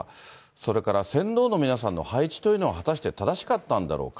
それから船頭の皆さんの配置というのは果たして正しかったんだろうか。